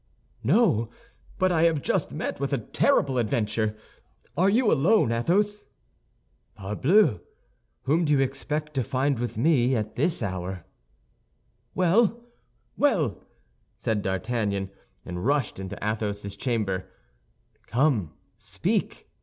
"No, but I have just met with a terrible adventure! Are you alone, Athos?" "Parbleu! whom do you expect to find with me at this hour?" "Well, well!" and D'Artagnan rushed into Athos's chamber. "Come, speak!"